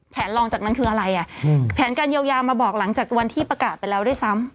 ลองจากนั้นคืออะไรอ่ะแผนการเยียวยามาบอกหลังจากวันที่ประกาศไปแล้วด้วยซ้ำ